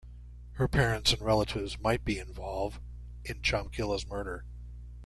Her parents and relatives might be involve in Chamkila's murder.